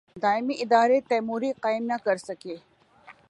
دائمی ادارے تیموری قائم نہ کر سکے۔